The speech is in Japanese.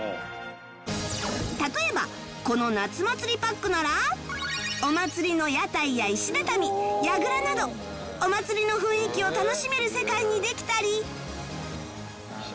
例えばこの夏祭りパックならお祭りの屋台や石畳櫓などお祭りの雰囲気を楽しめる世界にできたり